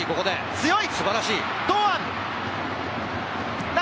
強い！